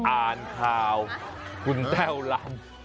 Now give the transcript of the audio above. อ่านข่าวคุณแต้วลำ